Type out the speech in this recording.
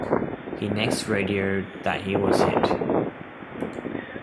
He next radioed that he was hit.